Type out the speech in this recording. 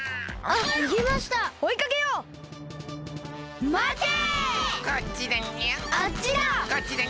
あっちだ！